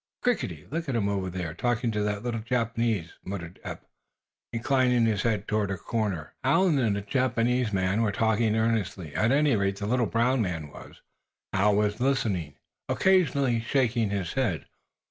"Crickety! Look at him over there, talking to that little Japanese," muttered Eph, inclining his head toward a corner. Hal and a Japanese were talking earnestly. At any rate, the little brown man was. Hal was listening, occasionally shaking his head.